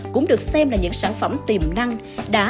cũng được xem là những sản phẩm tiềm năng